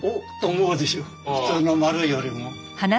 普通の円よりも。